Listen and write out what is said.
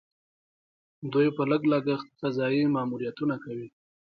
دوی په لږ لګښت فضايي ماموریتونه کوي.